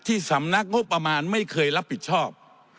สำนักงบประมาณไม่เคยรับผิดชอบ